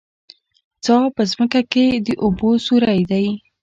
څا په ځمکه کې د اوبو سوری دی